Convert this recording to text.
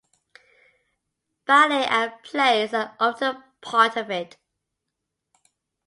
Ballet and plays are often part of it.